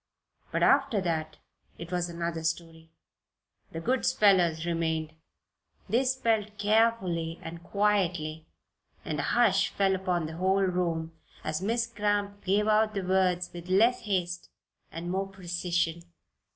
But after that it was another story. The good spellers remained. They spelled carefully and quietly and a hush fell upon the whole room as Miss Cramp gave out the words with less haste and more precision.